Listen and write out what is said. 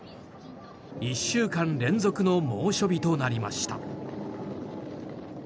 １週間連続の猛暑日となりました。